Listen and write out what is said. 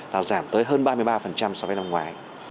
là giảm tới hơn ba mươi ba so với năm ngoái